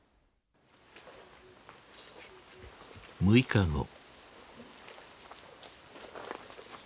６日後。